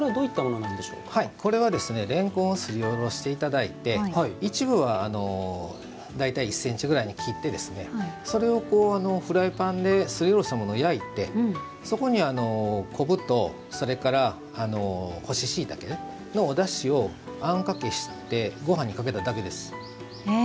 これはこれは、れんこんをすりおろしていただいて一部は大体１センチぐらいに切ってそれをフライパンですりおろしたものを焼いてそこにこぶとそれから干ししいたけのおだしをあんかけしてごはんにかけただけです。